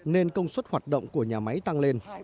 nên công suất hoạt động của nhà máy tăng lên